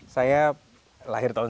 saya lahir tahun sembilan puluh empat